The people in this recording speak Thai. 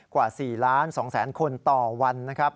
กว่า๔๒๐๐๐คนต่อวันนะครับ